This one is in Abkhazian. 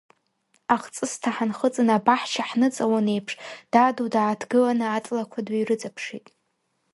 Ахҵысҭа ҳанхыҵын абаҳча ҳныҵалон еиԥш, даду дааҭгыланы аҵлақәа дҩарыҵаԥшит.